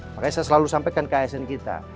makanya saya selalu sampaikan ke asn kita